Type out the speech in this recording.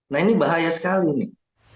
nah ini bahaya sekali nih